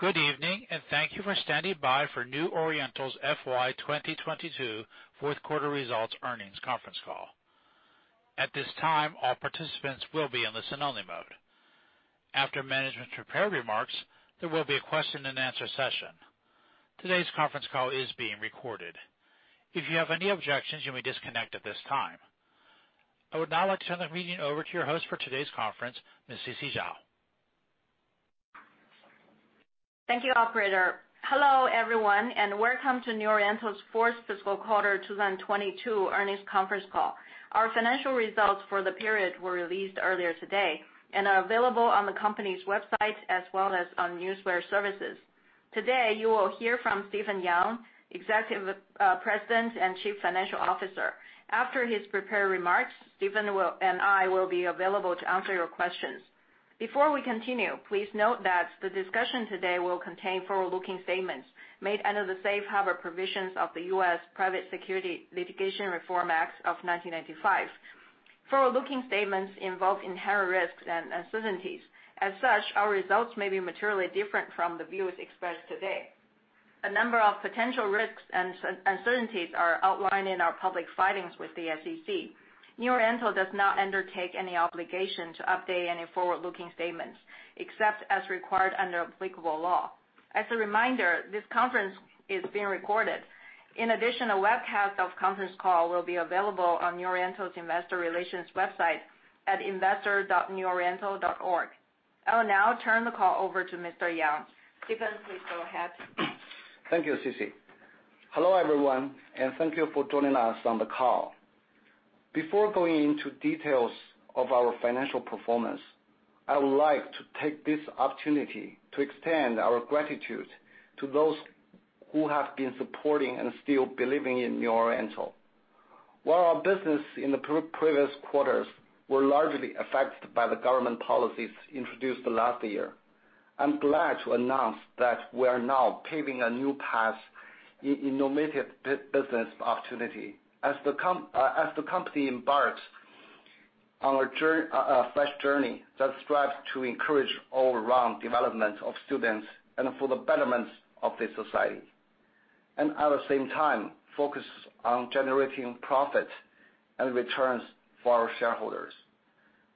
Good evening, and thank you for standing by for New Oriental's FY 2022 fourth quarter results earnings conference call. At this time, all participants will be in listen-only mode. After management's prepared remarks, there will be a question and answer session. Today's conference call is being recorded. If you have any objections, you may disconnect at this time. I would now like to turn the meeting over to your host for today's conference, Ms. Sisi Zhao. Thank you, operator. Hello, everyone, and welcome to New Oriental's fourth fiscal quarter 2022 earnings conference call. Our financial results for the period were released earlier today and are available on the company's website as well as on Newswire Services. Today, you will hear from Stephen Yang, Executive President and Chief Financial Officer. After his prepared remarks, Stephen and I will be available to answer your questions. Before we continue, please note that the discussion today will contain forward-looking statements made under the safe harbor provisions of the U.S. Private Securities Litigation Reform Act of 1995. Forward-looking statements involve inherent risks and uncertainties. As such, our results may be materially different from the views expressed today. A number of potential risks and uncertainties are outlined in our public filings with the SEC. New Oriental does not undertake any obligation to update any forward-looking statements except as required under applicable law. As a reminder, this conference is being recorded. In addition, a webcast of the conference call will be available on New Oriental's investor relations website at investor.neworiental.org. I will now turn the call over to Mr. Yang. Stephen, please go ahead. Thank you, Sisi. Hello, everyone, and thank you for joining us on the call. Before going into details of our financial performance, I would like to take this opportunity to extend our gratitude to those who have been supporting and still believing in New Oriental. While our business in the previous quarters were largely affected by the government policies introduced last year, I'm glad to announce that we are now paving a new path in innovative business opportunity. As the company embarks on a fresh journey that strives to encourage all-round development of students and for the betterment of the society. At the same time, focus on generating profit and returns for our shareholders.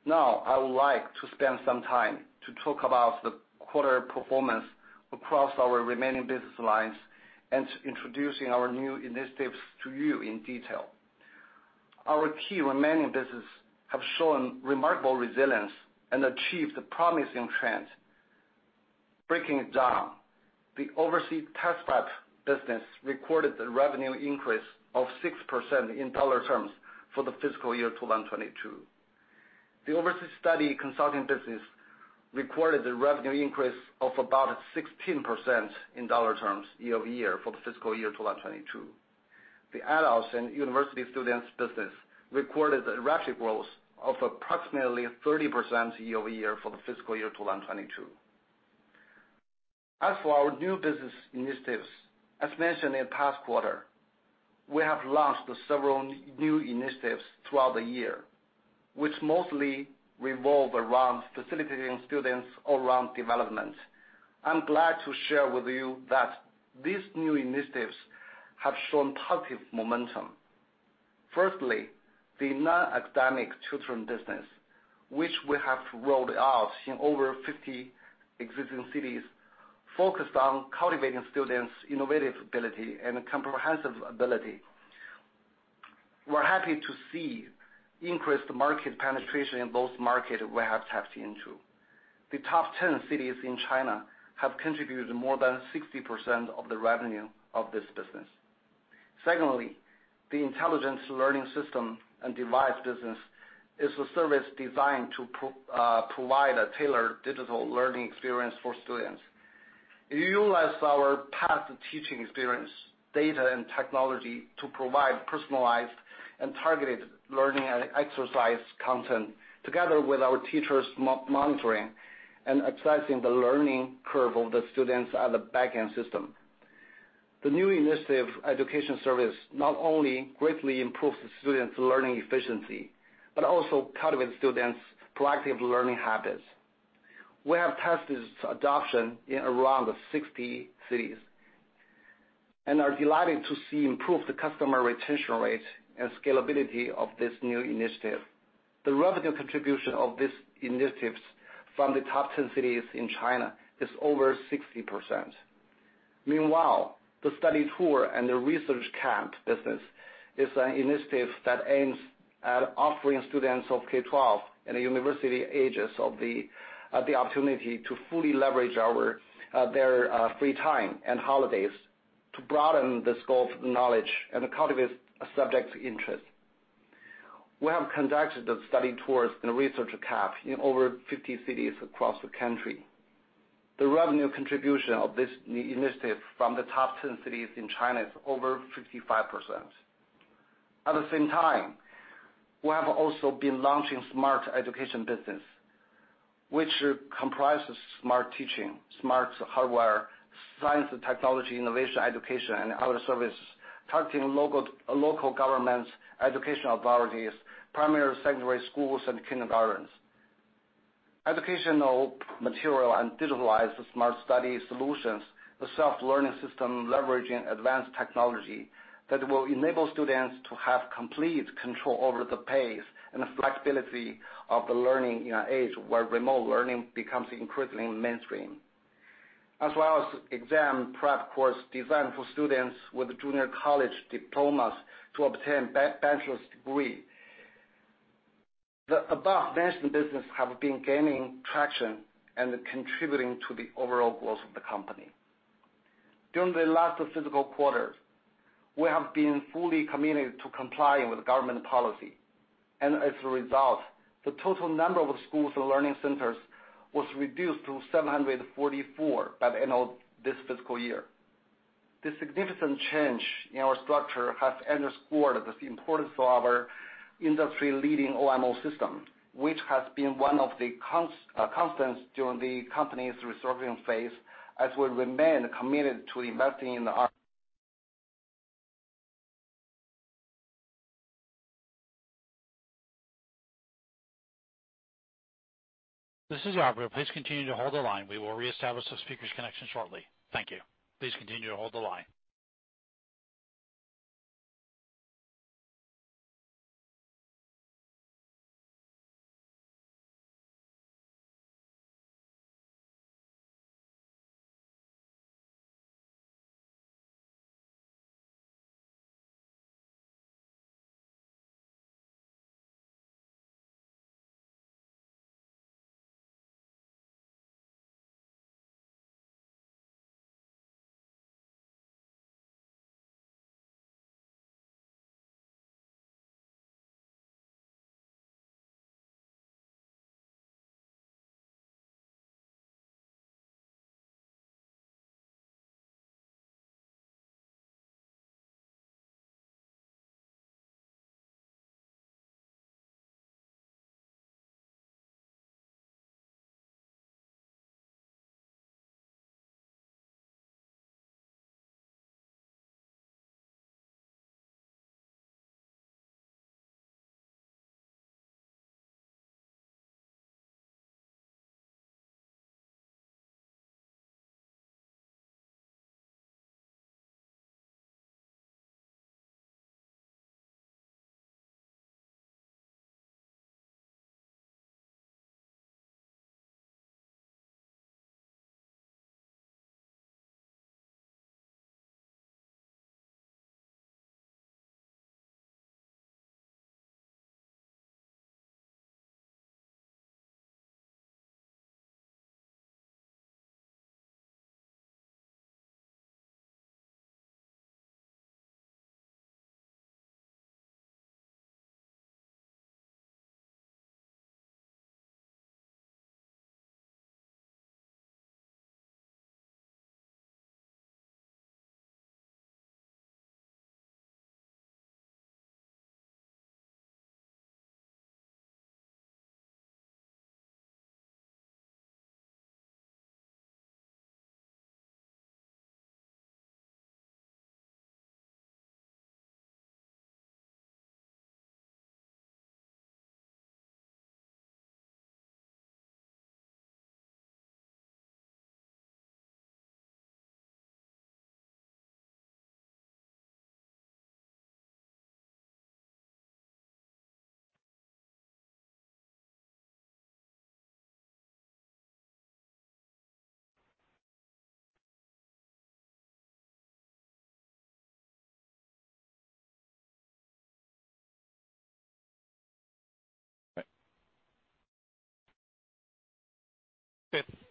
Now, I would like to spend some time to talk about the quarter performance across our remaining business lines and introducing our new initiatives to you in detail. Our key remaining businesses have shown remarkable resilience and achieved promising trends. Breaking it down, the overseas test prep business recorded the revenue increase of 6% in dollar terms for the fiscal year 2022. The overseas study consulting business recorded the revenue increase of about 16% in dollar terms year over year for the fiscal year 2022. The adults and university students business recorded a rapid growth of approximately 30% year over year for the fiscal year 2022. As for our new business initiatives, as mentioned in past quarter, we have launched several new initiatives throughout the year, which mostly revolve around facilitating students all around development. I'm glad to share with you that these new initiatives have shown positive momentum. Firstly, the non-academic children business, which we have rolled out in over 50 existing cities, focused on cultivating students' innovative ability and comprehensive ability. We're happy to see increased market penetration in those markets we have tapped into. The top 10 cities in China have contributed more than 60% of the revenue of this business. Secondly, the intelligent learning system and device business is a service designed to provide a tailored digital learning experience for students. It utilize our past teaching experience, data, and technology to provide personalized and targeted learning and exercise content, together with our teachers monitoring and assessing the learning curve of the students at the back-end system. The new initiative education service not only greatly improves the students' learning efficiency, but also cultivate students' proactive learning habits. We have tested its adoption in around 60 cities and are delighted to see improved customer retention rate and scalability of this new initiative. The revenue contribution of these initiatives from the top 10 cities in China is over 60%. Meanwhile, the study tour and the research camp business is an initiative that aims at offering students of K-12 and university ages the opportunity to fully leverage their free time and holidays to broaden the scope of knowledge and cultivate a subject interest. We have conducted the study tours and research camp in over 50 cities across the country. The revenue contribution of this new initiative from the top 10 cities in China is over 55%. At the same time, we have also been launching smart education business, which comprises smart teaching, smart hardware, science and technology, innovation, education and other services targeting local governments, educational authorities, primary, secondary schools and kindergartens. Educational material and digitalized smart study solutions, the self-learning system leveraging advanced technology that will enable students to have complete control over the pace and the flexibility of the learning in an age where remote learning becomes increasingly mainstream. As well as exam prep course designed for students with junior college diplomas to obtain bachelor's degree. The above-mentioned business have been gaining traction and contributing to the overall growth of the company. During the last fiscal quarter, we have been fully committed to complying with government policy. As a result, the total number of schools and learning centers was reduced to 744 by the end of this fiscal year. The significant change in our structure has underscored the importance of our industry-leading OMO system, which has been one of the constants during the company's resurging phase as we remain committed to investing in our This is Aubrey. Please continue to hold the line. We will reestablish the speaker's connection shortly. Thank you. Please continue to hold the line.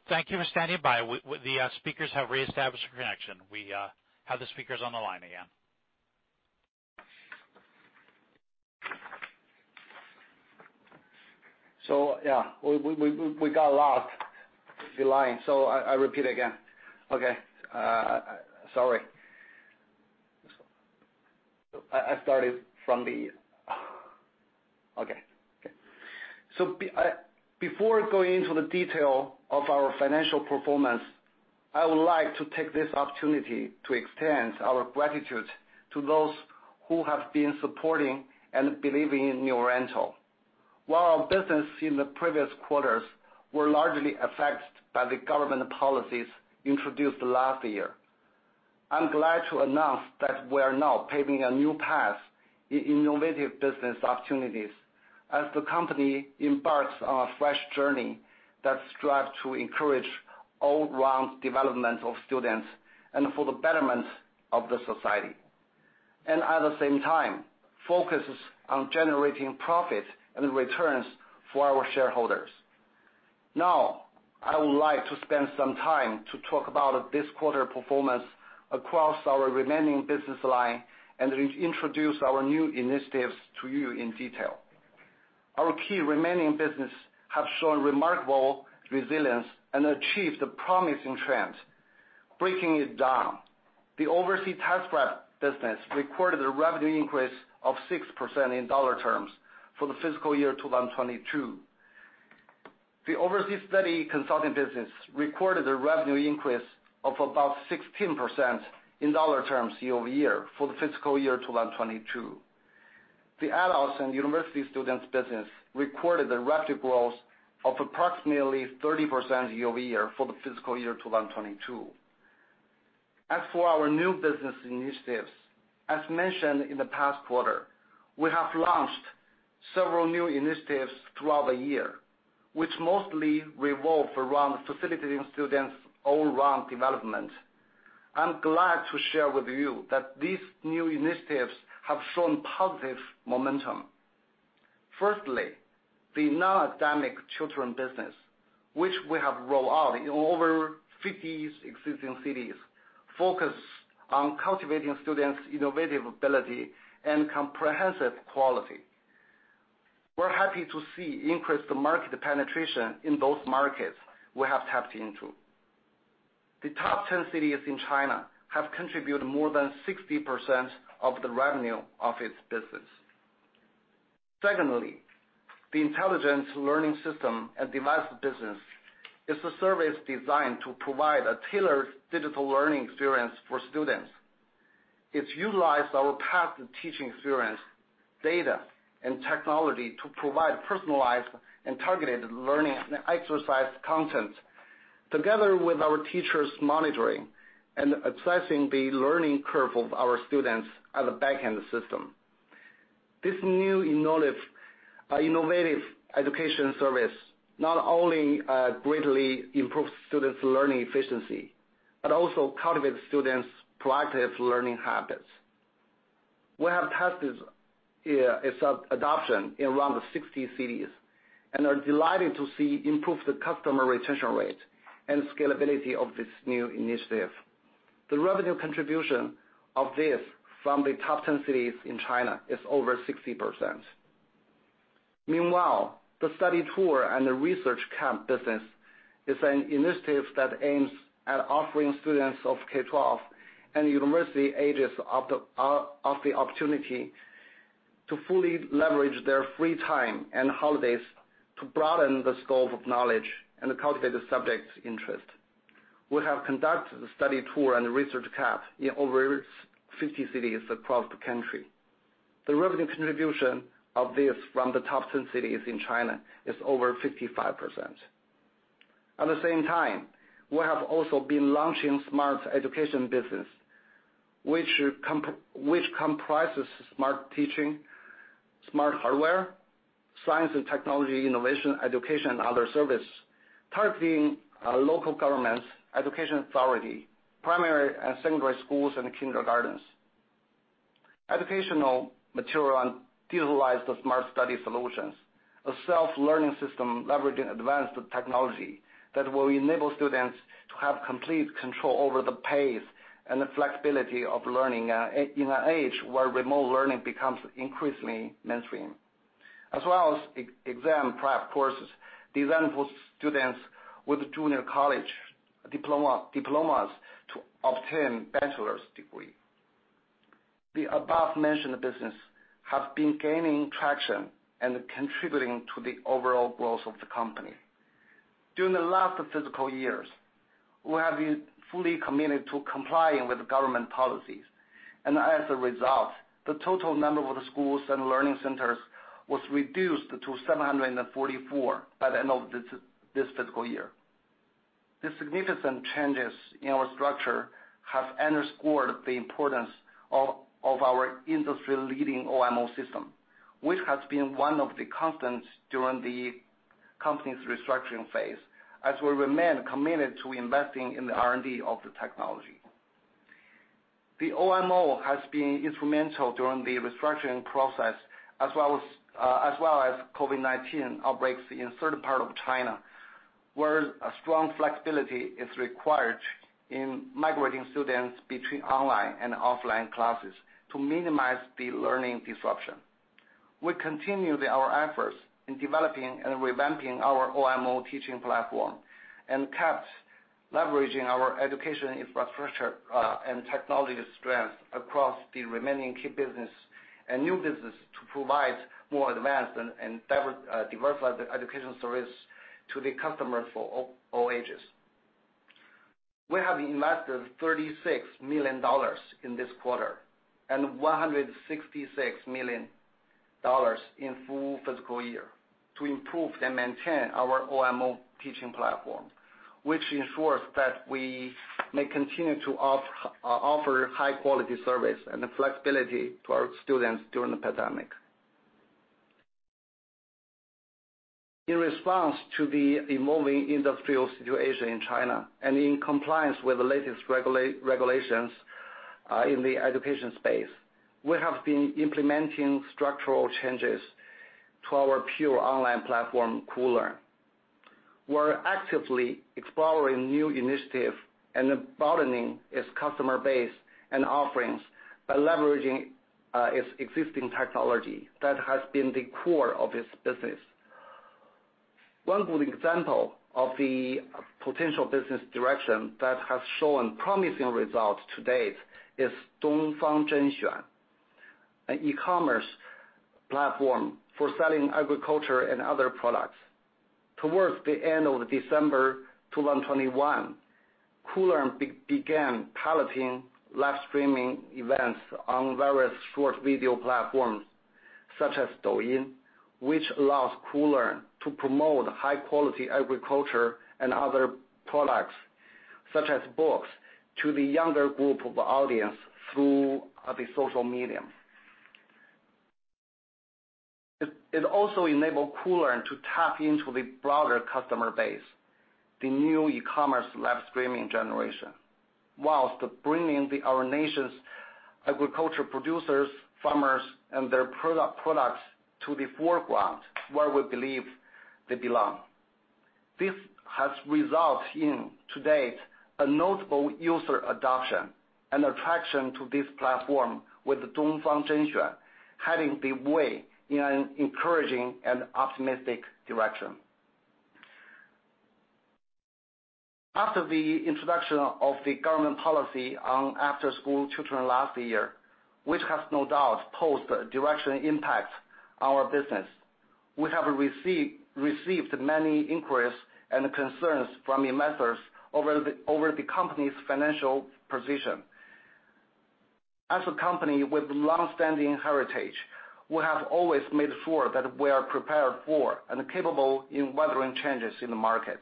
Yeah, we got lost on the line. I repeat again. Okay. Sorry. I started from the. Okay. Before going into the detail of our financial performance, I would like to take this opportunity to extend our gratitude to those who have been supporting and believing in New Oriental. While our business in the previous quarters were largely affected by the government policies introduced last year, I'm glad to announce that we are now paving a new path in innovative business opportunities as the company embarks on a fresh journey that strives to encourage all-around development of students and for the betterment of the society, and at the same time focuses on generating profit and returns for our shareholders. Now, I would like to spend some time to talk about this quarter performance across our remaining business line and re-introduce our new initiatives to you in detail. Our key remaining business have shown remarkable resilience and achieved a promising trend. Breaking it down. The overseas test prep business recorded a revenue increase of 6% in dollar terms for the fiscal year 2022. The overseas study consulting business recorded a revenue increase of about 16% in dollar terms year-over-year for the fiscal year 2022. The adults and university students business recorded a rapid growth of approximately 30% year-over-year for the fiscal year 2022. As for our new business initiatives, as mentioned in the past quarter, we have launched several new initiatives throughout the year, which mostly revolve around facilitating students' all-round development. I'm glad to share with you that these new initiatives have shown positive momentum. Firstly, the non-academic children business, which we have rolled out in over 50 existing cities, focuses on cultivating students' innovative ability and comprehensive quality. We're happy to see increased market penetration in those markets we have tapped into. The top 10 cities in China have contributed more than 60% of the revenue of its business. Secondly, the intelligence learning system and device business is a service designed to provide a tailored digital learning experience for students. It's utilized our past teaching experience, data, and technology to provide personalized and targeted learning exercise content, together with our teachers monitoring and assessing the learning curve of our students at the back-end system. This new innovative education service not only greatly improves students' learning efficiency, but also cultivates students' proactive learning habits. We have tested its adoption in around 60 cities and are delighted to see improved customer retention rate and scalability of this new initiative. The revenue contribution of this from the top 10 cities in China is over 60%. Meanwhile, the study tour and the research camp business is an initiative that aims at offering students of K-12 and university ages of the opportunity to fully leverage their free time and holidays to broaden the scope of knowledge and cultivate the subject's interest. We have conducted the study tour and the research camp in over 50 cities across the country. The revenue contribution of this from the top 10 cities in China is over 55%. At the same time, we have also been launching smart education business, which comprises smart teaching, smart hardware, science and technology, innovation, education, and other service, targeting local governments, education authority, primary and secondary schools and kindergartens. Educational material and utilize the smart study solutions, a self-learning system leveraging advanced technology that will enable students to have complete control over the pace and the flexibility of learning, in an age where remote learning becomes increasingly mainstream. As well as exam prep courses designed for students with junior college diplomas to obtain bachelor's degree. The above-mentioned business have been gaining traction and contributing to the overall growth of the company. During the last fiscal years, we have been fully committed to complying with government policies, and as a result, the total number of the schools and learning centers was reduced to 744 by the end of this fiscal year. The significant changes in our structure have underscored the importance of our industry-leading OMO system, which has been one of the constants during the company's restructuring phase, as we remain committed to investing in the R&D of the technology. The OMO has been instrumental during the restructuring process, as well as COVID-19 outbreaks in certain part of China, where a strong flexibility is required in migrating students between online and offline classes to minimize the learning disruption. We continued our efforts in developing and revamping our OMO teaching platform, and kept leveraging our education infrastructure and technology strength across the remaining key business and new business to provide more advanced and diversified education service to the customers for all ages. We have invested $36 million in this quarter and $166 million in full fiscal year to improve and maintain our OMO teaching platform, which ensures that we may continue to offer high quality service and flexibility to our students during the pandemic. In response to the evolving industrial situation in China, and in compliance with the latest regulations in the education space, we have been implementing structural changes to our pure online platform, Koolearn. We're actively exploring new initiative and broadening its customer base and offerings by leveraging its existing technology that has been the core of its business. One good example of the potential business direction that has shown promising results to date is Dongfang Zhenxuan, an e-commerce platform for selling agriculture and other products. Towards the end of December 2021, Koolearn began piloting live streaming events on various short video platforms such as Douyin, which allows Koolearn to promote high quality agriculture and other products, such as books, to the younger group of audience through the social media. It also enabled Koolearn to tap into the broader customer base, the new e-commerce live streaming generation, while bringing our nation's agricultural producers, farmers, and their products to the foreground where we believe they belong. This has resulted in, to date, a notable user adoption and attraction to this platform, with the Dongfang Zhenxuan heading the way in an encouraging and optimistic direction. After the introduction of the government policy on after-school children last year, which has no doubt posed a direct impact on our business, we have received many inquiries and concerns from investors over the company's financial position. As a company with longstanding heritage, we have always made sure that we are prepared for and capable in weathering changes in the market.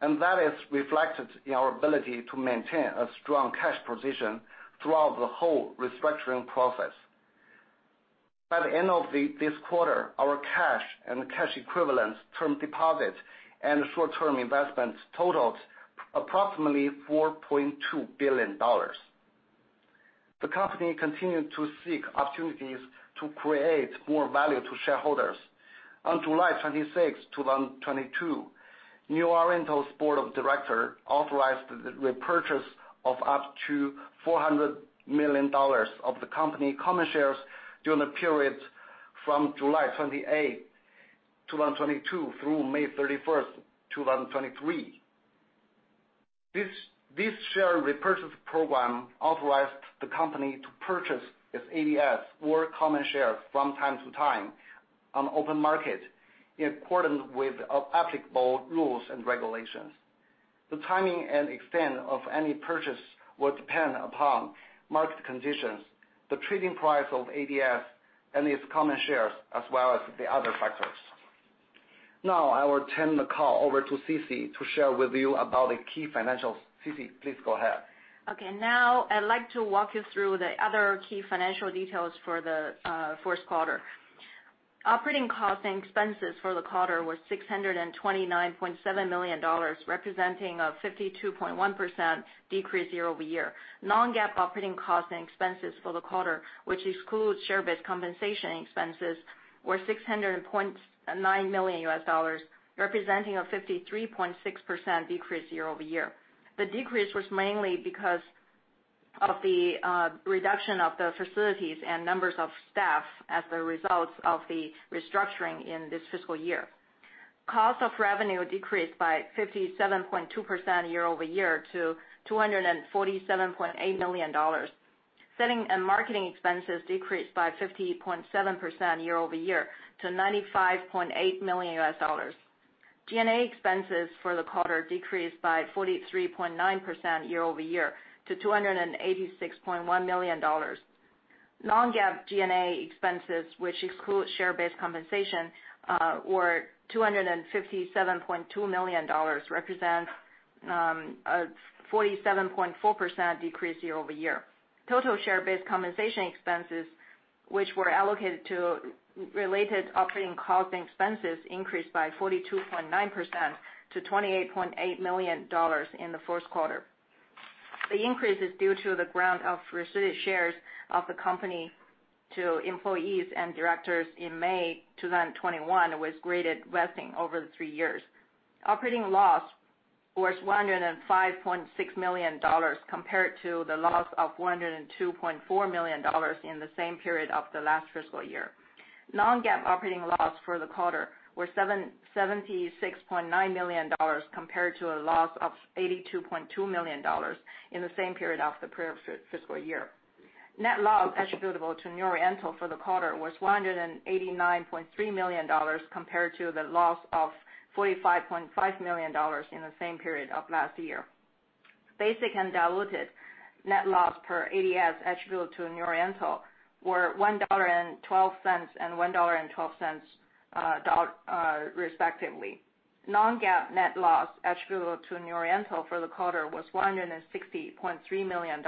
That is reflected in our ability to maintain a strong cash position throughout the whole restructuring process. By the end of this quarter, our cash and cash equivalents, term deposits, and short-term investments totaled approximately $4.2 billion. The company continued to seek opportunities to create more value to shareholders. On July 26, 2022, New Oriental's board of directors authorized the repurchase of up to $400 million of the company's common shares during the period from July 28, 2022, through May 31, 2023. This share repurchase program authorized the company to purchase its ADS or common shares from time to time on open market in accordance with applicable rules and regulations. The timing and extent of any purchase will depend upon market conditions, the trading price of ADS, and its common shares, as well as the other factors. Now, I will turn the call over to Sisi to share with you about the key financials. Sisi, please go ahead. Okay. Now I'd like to walk you through the other key financial details for the first quarter. Operating costs and expenses for the quarter were $629.7 million, representing a 52.1% decrease year-over-year. Non-GAAP operating costs and expenses for the quarter, which excludes share-based compensation expenses, were $629.9 million, representing a 53.6% decrease year-over-year. The decrease was mainly because of the reduction of the facilities and numbers of staff as a result of the restructuring in this fiscal year. Cost of revenue decreased by 57.2% year-over-year to $247.8 million. Selling and marketing expenses decreased by 50.7% year-over-year to $95.8 million. G&A expenses for the quarter decreased by 43.9% year-over-year to $286.1 million. Non-GAAP G&A expenses, which excludes share-based compensation, were $257.2 million, represents a 47.4% decrease year-over-year. Total share-based compensation expenses, which were allocated to related operating costs and expenses, increased by 42.9% to $28.8 million in the first quarter. The increase is due to the grant of restricted shares of the company to employees and directors in May 2021 was granted vesting over the three years. Operating loss was $105.6 million compared to the loss of $102.4 million in the same period of the last fiscal year. Non-GAAP operating loss for the quarter was $76.9 million compared to a loss of $82.2 million in the same period of the previous fiscal year. Net loss attributable to New Oriental for the quarter was $189.3 million compared to the loss of $45.5 million in the same period of last year. Basic and diluted net loss per ADS attributable to New Oriental were $1.12 and $1.12, respectively. Non-GAAP net loss attributable to New Oriental for the quarter was $160.3 million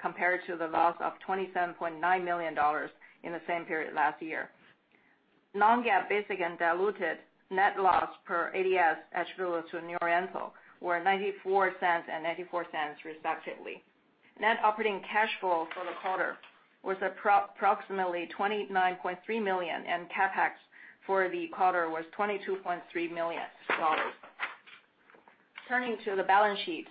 compared to the loss of $27.9 million in the same period last year. Non-GAAP basic and diluted net loss per ADS attributable to New Oriental were $0.94 and $0.94, respectively. Net operating cash flow for the quarter was approximately $29.3 million, and CapEx for the quarter was $22.3 million. Turning to the balance sheet.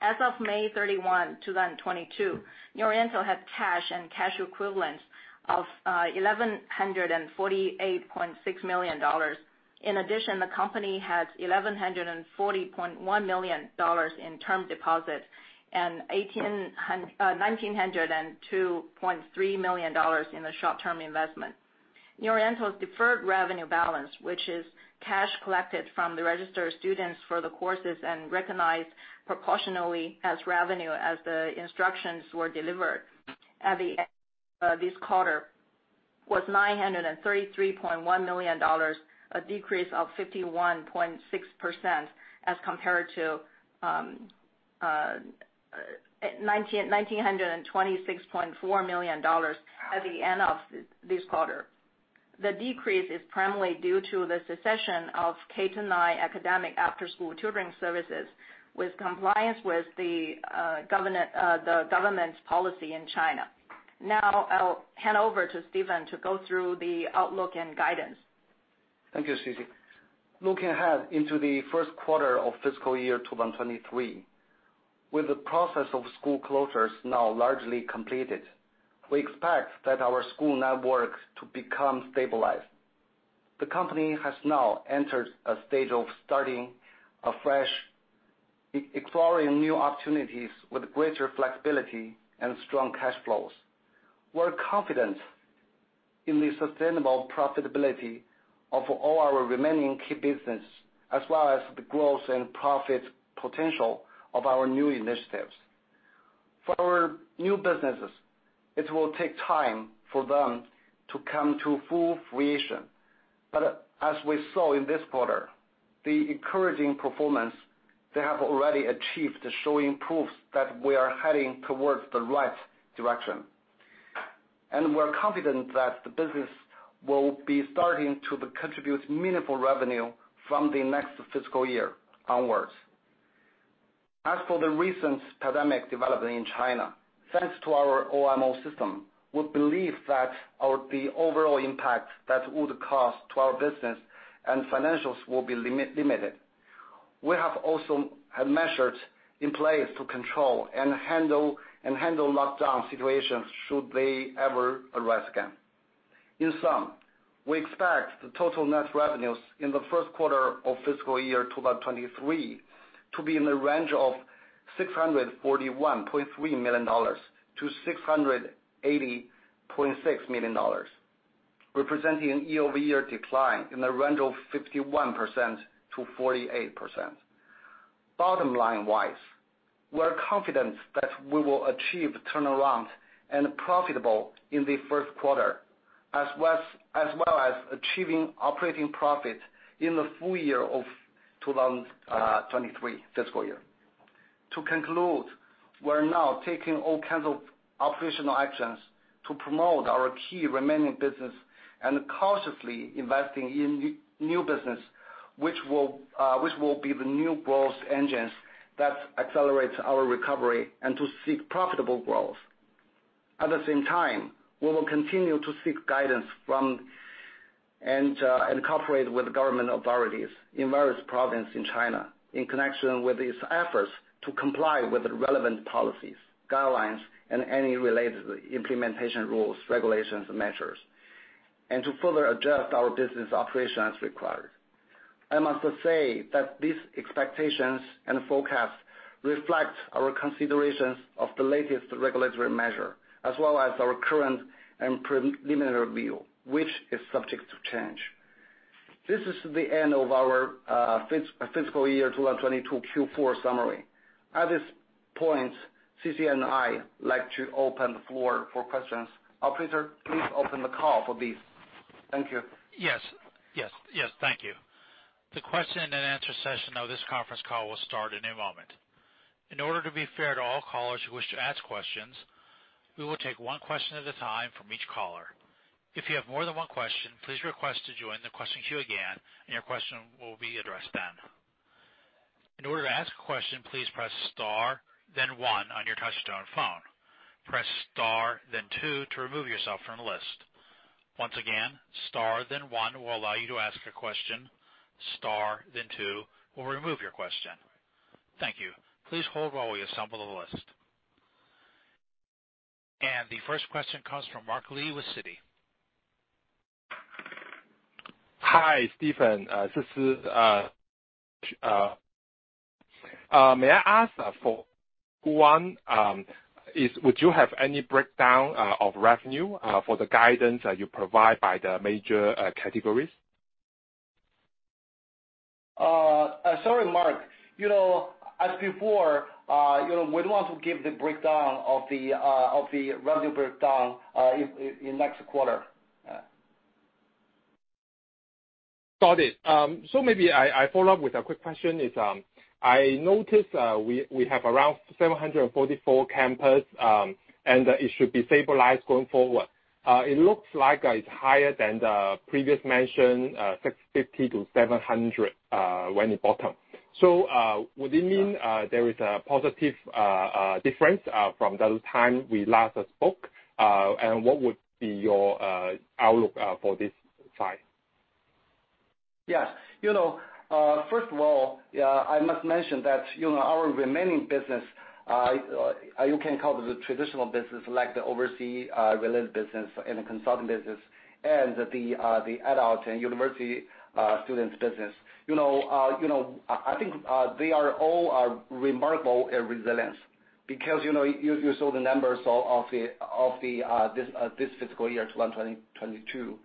As of May 31, 2022, New Oriental had cash and cash equivalents of $1,148.6 million. In addition, the company has $1,140.1 million in term deposits and $1,902.3 million in the short-term investment. New Oriental's deferred revenue balance, which is cash collected from the registered students for the courses and recognized proportionally as revenue as the instructions were delivered at the end of this quarter, was $933.1 million, a decrease of 51.6% as compared to $1,926.4 million at the end of this quarter. The decrease is primarily due to the cessation of K-9 academic after-school tutoring services in compliance with the government's policy in China. Now I'll hand over to Stephen to go through the outlook and guidance. Thank you, Sisi. Looking ahead into the first quarter of fiscal year 2023, with the process of school closures now largely completed, we expect our school networks to become stabilized. The company has now entered a stage of starting afresh, exploring new opportunities with greater flexibility and strong cash flows. We're confident in the sustainable profitability of all our remaining key business, as well as the growth and profit potential of our new initiatives. For our new businesses, it will take time for them to come to full fruition. But as we saw in this quarter, the encouraging performance they have already achieved is showing proofs that we are heading towards the right direction. We're confident that the business will be starting to contribute meaningful revenue from the next fiscal year onwards. As for the recent pandemic development in China, thanks to our OMO system, we believe that the overall impact that would cause to our business and financials will be limited. We have also had measures in place to control and handle lockdown situations should they ever arise again. In sum, we expect the total net revenues in the first quarter of fiscal year 2023 to be in the range of $641.3 million-$680.6 million, representing a year-over-year decline in the range of 51%-48%. Bottom line-wise, we're confident that we will achieve a turnaround and profitability in the first quarter as well as achieving operating profit in the full year of 2023 fiscal year. To conclude, we're now taking all kinds of operational actions to promote our key remaining business and cautiously investing in new business, which will be the new growth engines that accelerates our recovery and to seek profitable growth. At the same time, we will continue to seek guidance from and cooperate with government authorities in various provinces in China in connection with these efforts to comply with the relevant policies, guidelines, and any related implementation rules, regulations, and measures, and to further adjust our business operations as required. I must say that these expectations and forecasts reflect our considerations of the latest regulatory measure, as well as our current and preliminary view, which is subject to change. This is the end of our fiscal year 2022 Q4 summary. At this point, Sisi and I like to open the floor for questions. Operator, please open the call for this. Thank you. Yes. Yes. Yes. Thank you. The question and answer session of this conference call will start in a moment. In order to be fair to all callers who wish to ask questions, we will take one question at a time from each caller. If you have more than one question, please request to join the question queue again and your question will be addressed then. In order to ask a question, please press star then one on your touchtone phone. Press star then two to remove yourself from the list. Once again, star then one will allow you to ask a question, star then two will remove your question. Thank you. Please hold while we assemble the list. The first question comes from Mark Lee with Citi. Hi, Stephen. Sisi, may I ask, would you have any breakdown of revenue for the guidance that you provide by the major categories? Sorry, Mark. You know, as before, you know, we don't want to give the breakdown of the revenue breakdown in next quarter. Got it. Maybe I follow up with a quick question is, I noticed, we have around 744 campus, and it should be stabilized going forward. It looks like it's higher than the previous mention, 650-700, when it bottomed. Would it mean there is a positive difference from the time we last spoke? What would be your outlook for this- Yes. You know, first of all, yeah, I must mention that, you know, our remaining business, you can call the traditional business, like the overseas related business and the consulting business and the adult and university students business. You know, I think they are all remarkable at resilience because, you know, you saw the numbers of this fiscal year 2022.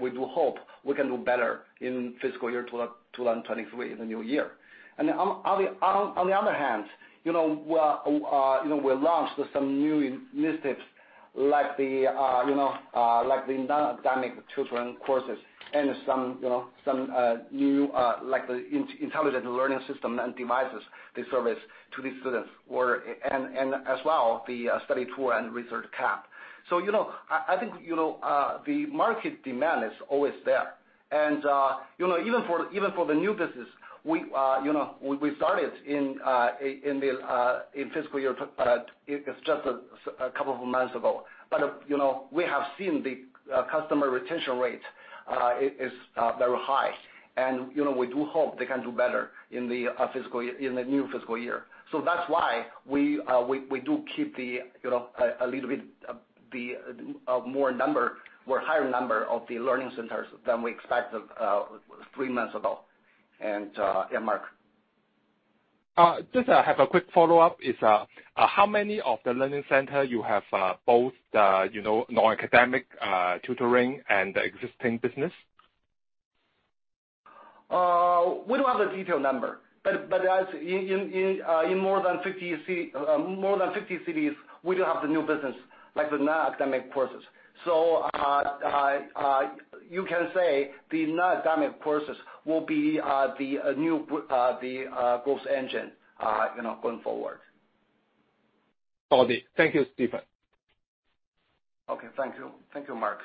We do hope we can do better in fiscal year 2023 in the new year. On the other hand, you know, well, you know, we launched some new initiatives like the non-academic children courses and some new like the intelligent learning system and devices, the service to the students were as well, the study tour and research camp. You know, I think, you know, the market demand is always there. You know, even for the new business, we started in the fiscal year, it's just a couple of months ago. You know, we have seen the customer retention rate is very high. You know, we do hope they can do better in the fiscal year, in the new fiscal year. That's why we do keep the, you know, a little bit, the more number or higher number of the learning centers than we expected three months ago. Yeah, Mark. I just have a quick follow-up. How many of the learning centers you have, both you know, non-academic tutoring and existing business? We don't have the detailed number, but as in more than 50 cities, we do have the new business, like the non-academic courses. You can say the non-academic courses will be the new growth engine, you know, going forward. Copy. Thank you, Stephen. Okay. Thank you. Thank you, Mark.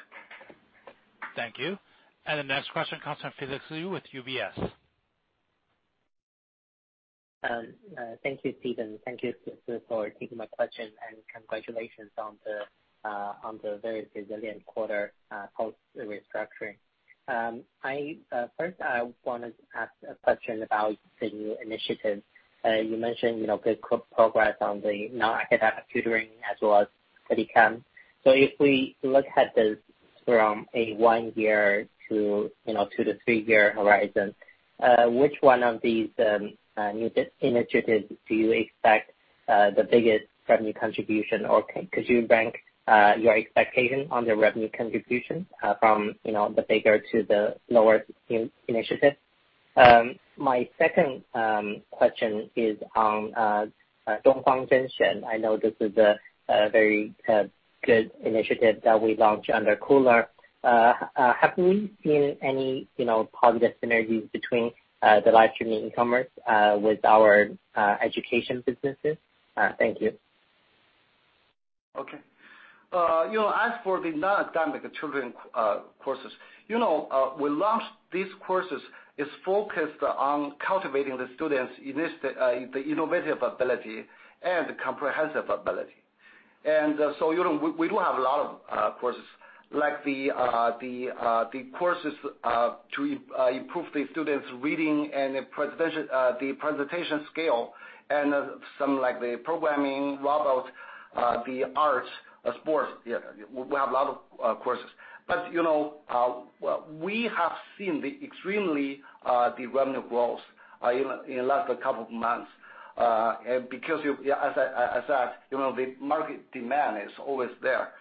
Thank you. The next question comes from Felix Liu with UBS. Thank you, Stephen. Thank you for taking my question, and congratulations on the very resilient quarter post restructuring. First, I wanted to ask a question about the new initiative. You mentioned, you know, good progress on the non-academic tutoring as well as study camp. If we look at this from a 1-year to 2- to 3-year horizon, which one of these new initiatives do you expect the biggest revenue contribution? Or could you rank your expectation on the revenue contribution from the bigger to the lower initiative? My second question is on Dongfang Zhenxuan. I know this is a very good initiative that we launched under Koolearn. Have we seen any, you know, positive synergies between the live streaming commerce with our education businesses? Thank you. Okay. You know, as for the non-academic children courses, you know, we launched these courses is focused on cultivating the students' innovative ability and comprehensive ability. You know, we do have a lot of courses like the courses to improve the students' reading and presentation, the presentation skill and some like the programming, robot, the arts, sports. Yeah, we have a lot of courses. You know, we have seen extremely revenue growth in last couple of months. Because as I said, you know, the market demand is always there.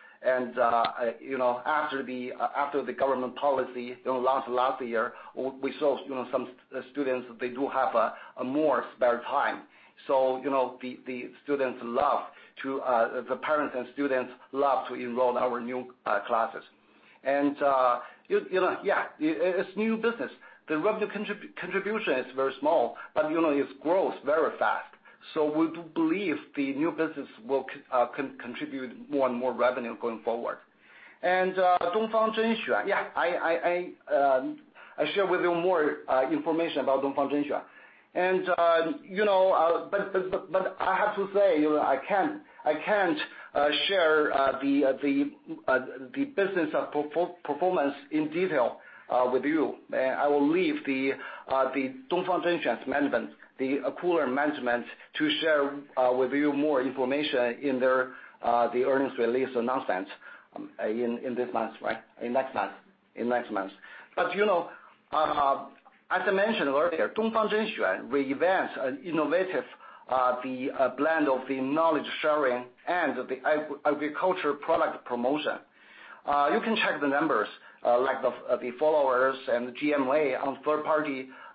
You know, after the government policy, you know, last year, we saw, you know, some students, they do have a more spare time. You know, the parents and students love to enroll in our new classes. You know, it's new business. The revenue contribution is very small, but you know, it grows very fast. We do believe the new business will contribute more and more revenue going forward. Dongfang Zhenxuan. Yeah, I share with you more information about Dongfang Zhenxuan. You know, but I have to say, you know, I can't share the business performance in detail with you. I will leave the Dongfang Zhenxuan's management, the Koolearn management to share with you more information in their earnings release announcements in this month, right? In next month. In next month. You know, as I mentioned earlier, Dongfang Zhenxuan events are innovative, the blend of the knowledge sharing and the agriculture product promotion. You can check the numbers, like the followers and the GMV on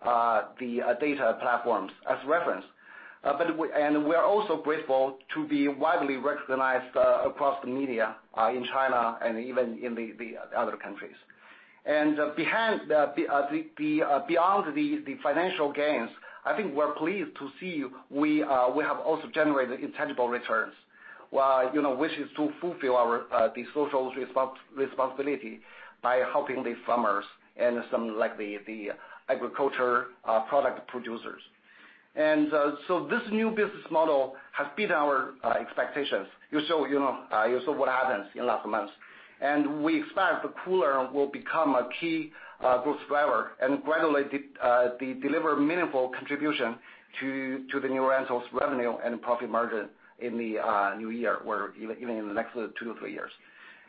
third-party data platforms as reference. We are also grateful to be widely recognized across the media in China and even in the other countries. Beyond the financial gains, I think we're pleased to see we have also generated intangible returns. You know, which is to fulfill our the social responsibility by helping the farmers and some like the agriculture product producers. This new business model has been our expectations. You saw, you know, what happens in last month. We expect the Koolearn will become a key growth driver and gradually deliver meaningful contribution to the New Oriental's revenue and profit margin in the new year or even in the next 2-3 years.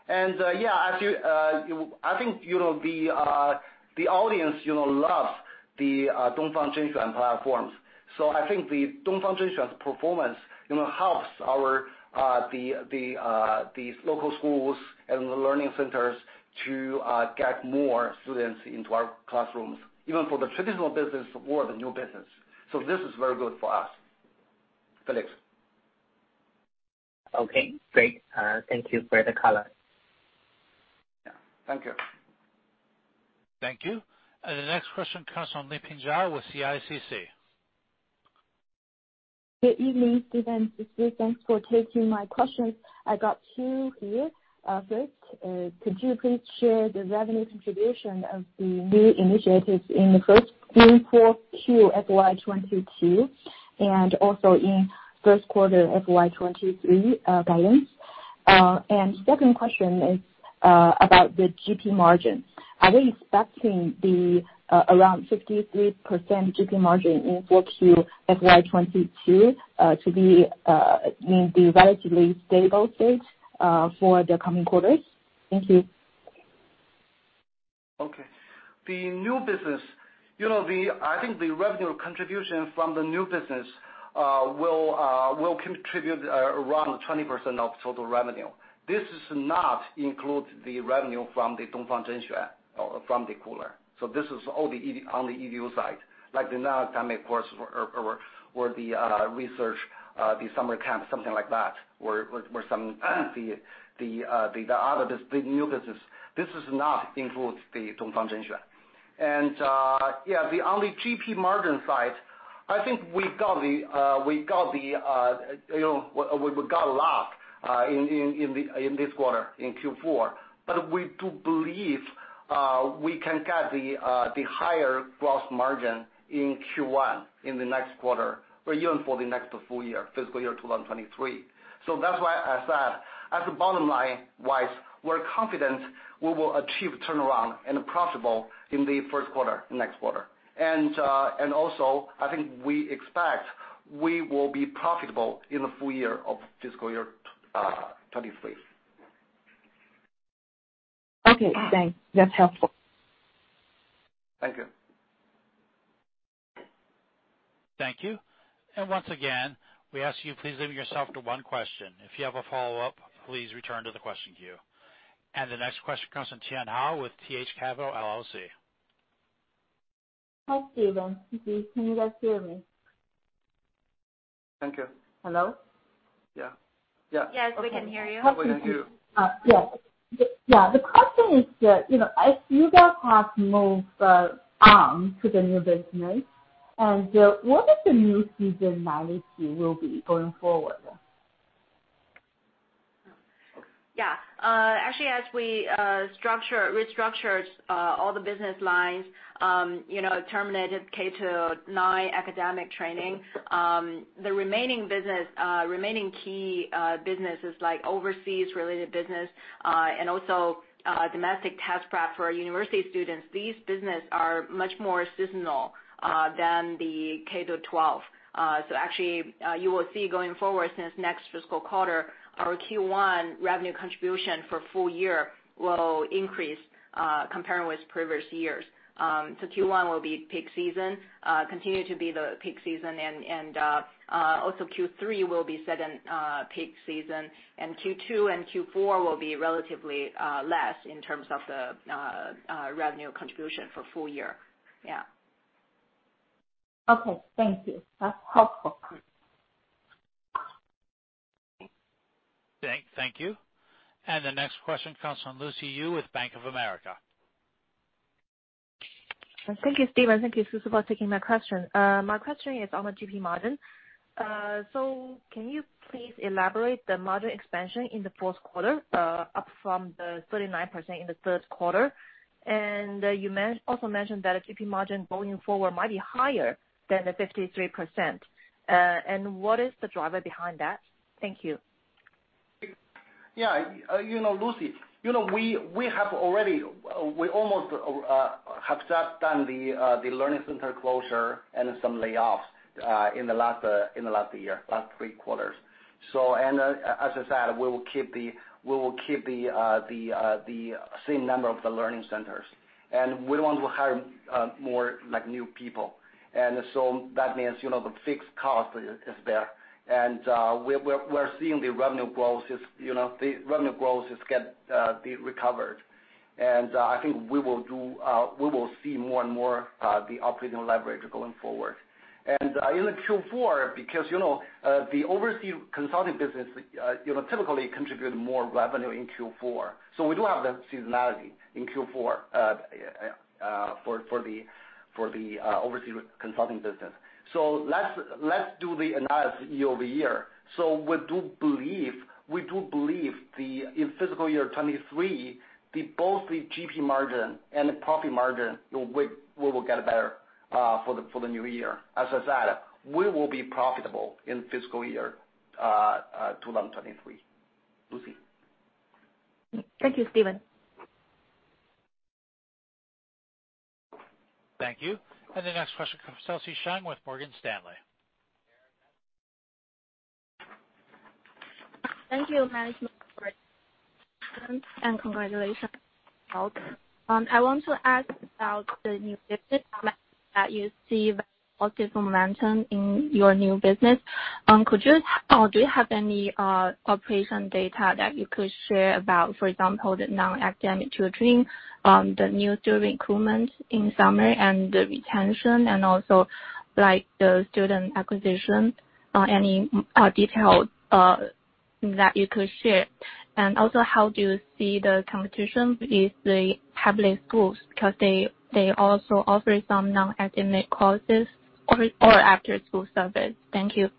Yeah, I do. You know, I think the audience, you know, loves the Dongfang Zhenxuan platforms. I think the Dongfang Zhenxuan's performance, you know, helps our the these local schools and the learning centers to get more students into our classrooms, even for the traditional business or the new business. This is very good for us. Felix? Okay, great. Thank you for the color. Yeah. Thank you. Thank you. The next question comes from Liping Zhao with CICC. Good evening, Stephen, Susan. Thanks for taking my questions. I got two here. First, could you please share the revenue contribution of the new initiatives in the first three, 4Q FY 2022, and also in first quarter FY 2023, guidance? Second question is about the GP margin. Are they expecting the around 53% GP margin in 4Q FY 2022 to be in the relatively stable state for the coming quarters? Thank you. Okay. The new business. You know, I think the revenue contribution from the new business will contribute around 20% of total revenue. This does not include the revenue from the Dongfang Zhenxuan or from the Koolearn. This is all the EDU on the EDU side, like the non-academic course or the research, the summer camp, something like that, where some the new business. This does not include the Dongfang Zhenxuan. On the GP margin side, I think we got lucky in this quarter, in Q4. We do believe we can get the higher gross margin in Q1, in the next quarter or even for the next full year, fiscal year 2023. That's why I said, as a bottom line-wise, we're confident we will achieve turnaround and profitable in the first quarter, next quarter. I think we expect we will be profitable in the full year of fiscal year 2023. Okay, thanks. That's helpful. Thank you. Thank you. Once again, we ask you please limit yourself to one question. If you have a follow-up, please return to the question queue. The next question comes from Tian Hou with T.H. Capital, LLC. Hi, Stephen. Can you guys hear me? Thank you. Hello? Yeah. Yeah. Yes, we can hear you. How about you? Yes. Yeah, the question is that, you know, as you guys have moved on to the new business, and what is the new seasonality will be going forward? Yeah. Actually, as we restructured all the business lines, you know, terminated K to nine academic training, the remaining business, remaining key businesses like overseas related business and also domestic test prep for university students, these business are much more seasonal than the K to twelve. So actually, you will see going forward since next fiscal quarter, our Q1 revenue contribution for full year will increase compared with previous years. So Q1 will be peak season, continue to be the peak season and also Q3 will be second peak season, and Q2 and Q4 will be relatively less in terms of the revenue contribution for full year. Yeah. Okay, thank you. That's helpful. Thank you. The next question comes from Lucy Yu with Bank of America. Thank you, Stephen. Thank you, Sisi Zhao, for taking my question. My question is on the GP margin. Can you please elaborate on the margin expansion in the fourth quarter, up from the 39% in the third quarter? You also mentioned that the GP margin going forward might be higher than the 53%. What is the driver behind that? Thank you. Yeah. You know, Lucy Yu, you know, we have already almost have just done the learning center closure and some layoffs in the last year, last three quarters. As I said, we will keep the same number of the learning centers. We want to hire more like new people. That means, you know, the fixed cost is there. We are seeing the revenue growth is, you know, the revenue growth is getting recovered. I think we will see more and more the operating leverage going forward. In Q4, because, you know, the overseas consulting business, you know, typically contribute more revenue in Q4. We do have that seasonality in Q4 for the overseas consulting business. Let's do the analysis year-over-year. We do believe in fiscal year 2023 both the GP margin and the profit margin will get better for the new year. As I said, we will be profitable in fiscal year 2023. Thank you, Stephen. Thank you. The next question comes from Eddy Wang with Morgan Stanley. Thank you management for it, and congratulations. I want to ask about the new business that you see positive momentum in your new business. Do you have any operational data that you could share about, for example, the non-academic tutoring, the new student recruitments in summer and the retention and also like the student acquisition, any details that you could share? How do you see the competition with the public schools because they also offer some non-academic courses or after-school service. Thank you.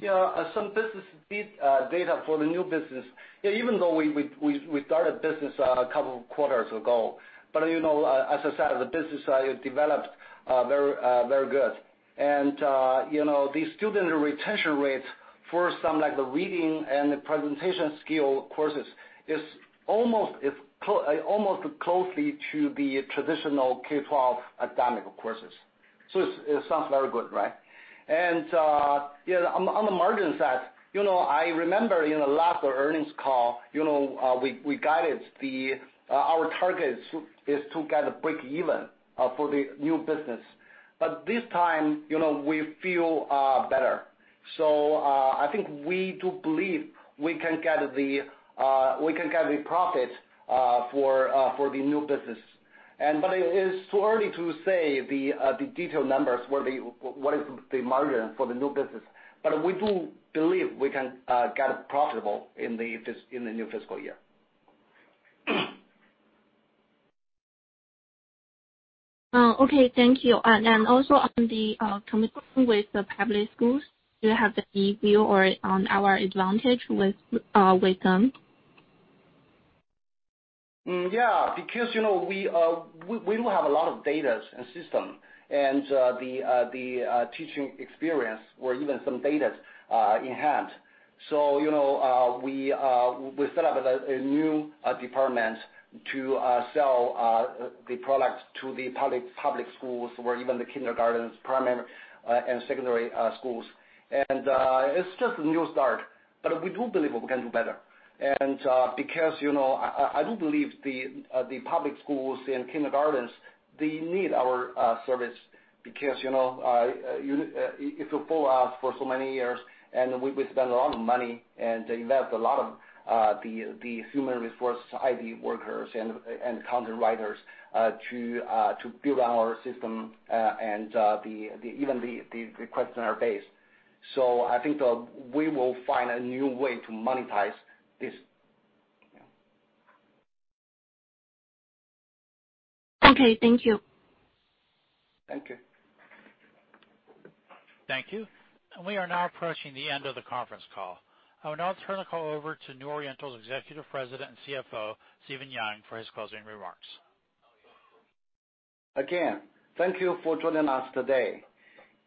Yeah. Some business bit data for the new business. Yeah, even though we started business a couple of quarters ago. You know, as I said, the business developed very good. You know, the student retention rates for some like the reading and the presentation skill courses is almost closely to the traditional K12 academic courses. It sounds very good, right? Yeah, on the margin side, you know, I remember in the last earnings call, you know, we guided our targets is to get breakeven for the new business. This time, you know, we feel better. I think we do believe we can get the profit for the new business. It is too early to say the detailed numbers. What is the margin for the new business. We do believe we can get profitable in the new fiscal year. Okay, thank you. Also on the commitment with the public schools, do you have a view on our advantage with them? Because, you know, we do have a lot of data and system and the teaching experience or even some data in hand. You know, we set up a new department to sell the product to the public schools or even the kindergartens, primary, and secondary schools. It's just a new start. We do believe we can do better. Because, you know, I do believe the public schools and kindergartens, they need our service because, you know, if you pull out for so many years and we spend a lot of money and invest a lot of the human resource, IT workers and content writers, to build our system, and even the questionnaire base. I think we will find a new way to monetize this. Yeah. Okay, thank you. Thank you. Thank you. We are now approaching the end of the conference call. I will now turn the call over to New Oriental's Executive President and CFO, Stephen Yang, for his closing remarks. Again, thank you for joining us today.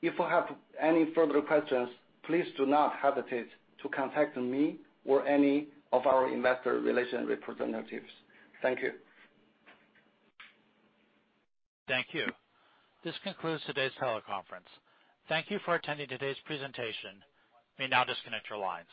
If you have any further questions, please do not hesitate to contact me or any of our investor relation representatives. Thank you. Thank you. This concludes today's teleconference. Thank you for attending today's presentation. You may now disconnect your lines.